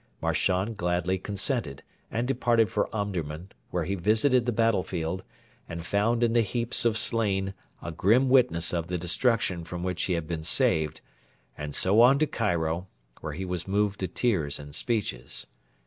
Marchand gladly consented, and departed for Omdurman, where he visited the battlefield, and found in the heaps of slain a grim witness of the destruction from which he had been saved, and so on to Cairo, where he was moved to tears and speeches.